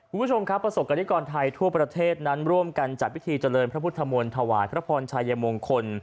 คุณผู้ชมครับประสบกรณิกรไทยทั่วประเทศนั้นร่วมกันจัดพิธีเจริญพระพุทธมนต์ถวายพระพรชัยมงคล